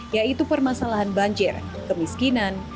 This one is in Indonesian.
yaitu permasalahan banjir kemiskinan